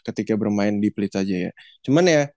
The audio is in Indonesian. ketika bermain di pelitajaya